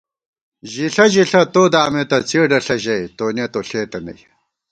ژِݪہ ژِݪہ تو دامېتہ څېڈہ ݪہ ژَئی تونِیَہ تو ݪېتہ نئ